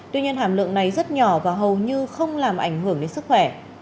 tuy nhiên hàm lượng này rất nhỏ và hầu như không làm ảnh hưởng đến sức khỏe